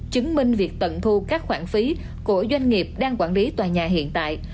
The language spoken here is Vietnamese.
chứng minh việc tận thu các khoản phí của doanh nghiệp đang quản lý tòa nhà hiện tại